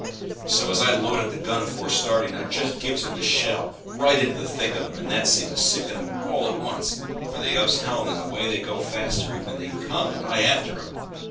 So as I'd loaded the gun afore starting, I just gives 'em a shell, right into the thick of 'em, and that seemed to sicken 'em all at once; for they ups helm, and away they goes faster even than they'd come, and I a'ter 'em.